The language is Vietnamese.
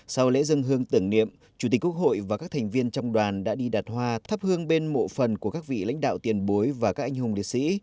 sau lễ dân hương tưởng niệm chủ tịch quốc hội và các thành viên trong đoàn đã đi đặt hoa thắp hương bên mộ phần của các vị lãnh đạo tiền bối và các anh hùng liệt sĩ